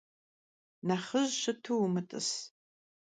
Nexhıj şıtu vumıt'ıs.